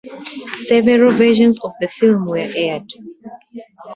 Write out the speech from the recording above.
Several versions of the film were aired.